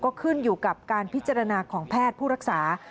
ก็ขึ้นอยู่กับการพิจารณาของแพทย์ผู้รักษา